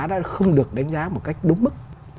đã không được đánh giá một cách đúng mức